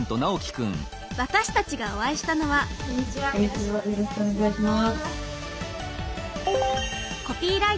私たちがお会いしたのはこんにちはよろしくお願いします。